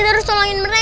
ya ini juga yang kenyal